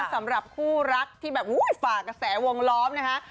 สำหรับคู่รักที่แบบฝากกระแสวงล้อมนะคะ